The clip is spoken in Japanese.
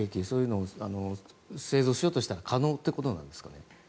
そういうのを製造しようとしたら可能ということなんですか。